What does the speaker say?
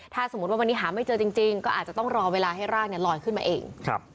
ถ้าสมมุติว่าวันนี้หาไม่เจอจริงก็อาจจะต้องรอเวลาให้ร่างลอยขึ้นมาเอง